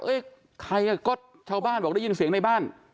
ใครอ่ะก็ชาวบ้านบอกได้ยินเสียงในบ้าน